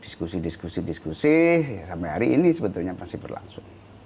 diskusi diskusi diskusi sampai hari ini sebetulnya masih berlangsung